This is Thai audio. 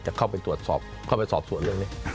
จะเข้าไปตรวจสอบตรวจสอบเรื่องนี้